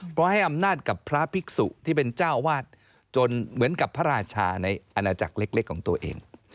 เพราะให้อำนาจกับพระภิกษุที่เป็นเจ้าวาดจนเหมือนกับพระราชาในอาณาจักรเล็กของตัวเอง